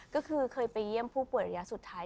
ก็คือเคยไปเยี่ยมผู้ป่วยระยะสุดท้าย